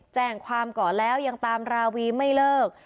แจ้งความก่อนแล้วยังตามราวีไม่เลิก